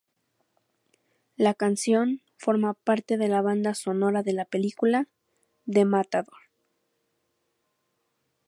La canción forma parte de la banda sonora de la película "The Matador".